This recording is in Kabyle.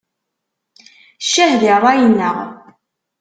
Ccah di ṛṛay-nneɣ!